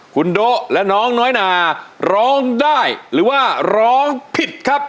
คุณโดะและน้องน้อยนาร้องได้หรือว่าร้องผิดครับ